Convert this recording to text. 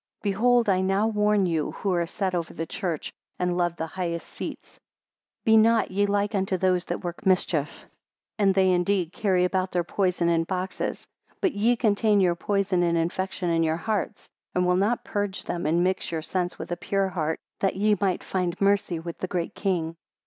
102 Behold I now warn you who are set over the church, and love the highest seats, be not ye like unto those that work mischief. 103 And they indeed carry about their poison in boxes, but ye contain your poison and infection in your hearts, and will not purge them, and mix your sense with a pure heart, that ye might find mercy with the Great King.